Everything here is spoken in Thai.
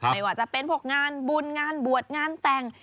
ไม่ว่าจะเป็นพวกงานบุญงานบวชงานแต่ง